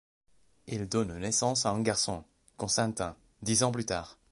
Elle donne naissance à un garçon, Constantin, dix ans plus tard.